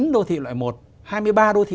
một mươi chín đô thị loại một hai mươi ba đô thị